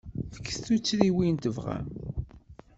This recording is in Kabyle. Fket-d tuttriwin tebɣam.